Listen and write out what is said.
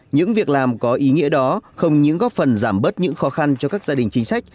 những việc làm có ý nghĩa đó không những góp phần giảm bớt những khó khăn cho các gia đình chính sách